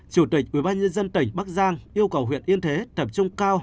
chủ tịch ubnd tỉnh bắc giang yêu cầu huyện yên thế tập trung cao